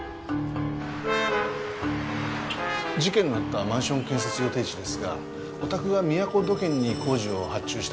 事件のあったマンション建設予定地ですがおたくがみやこ土建に工事を発注した場所ですよね？